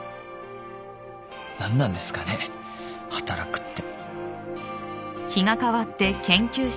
何なんですかね働くって。